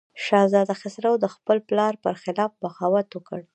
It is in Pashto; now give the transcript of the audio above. شهزاده خسرو د خپل پلار پر خلاف بغاوت وکړ.